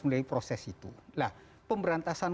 melalui proses itu nah pemberantasan